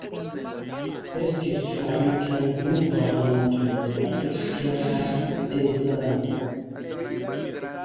Estis faritaj du variantoj de la ekstera dezajno.